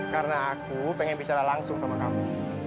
karena aku pengen bicara langsung sama kamu